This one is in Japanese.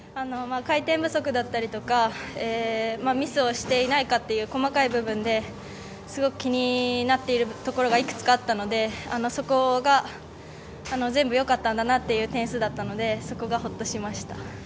回転不足だったりミスをしていないかという細かい部分ですごく気になっているところがいくつかあったのでそこが全部よかったんだなという点数だったのでそこがほっとしました。